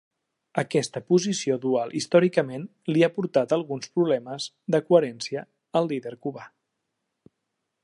Aquesta posició dual històricament li ha portat alguns problemes de coherència al líder cubà.